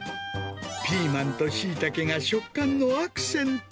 ピーマンとシイタケが食感のアクセント。